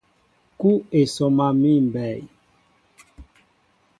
Kúw e sɔma míʼ mbɛy.